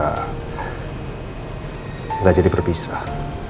tidak jadi berpisah